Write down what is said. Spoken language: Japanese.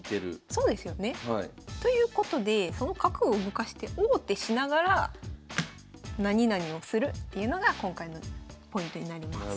そうですよね。ということでその角を動かして王手しながら何々をするっていうのが今回のポイントになります。